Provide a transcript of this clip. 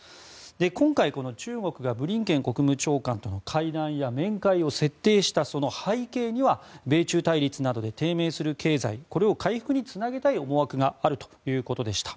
今回、中国がブリンケン国務長官との対談や面会を設定した背景には米中対立などで低迷する経済これを回復につなげたい思惑があるということでした。